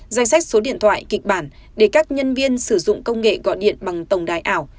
danh sách số điện thoại kịch bản để các nhân viên sử dụng công nghệ gọi điện bằng tổng đài ảo